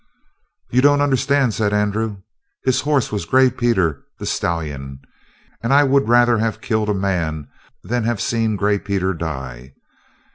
"You don't understand," said Andrew. "His horse was Gray Peter the stallion. And I would rather have killed a man than have seen Gray Peter die.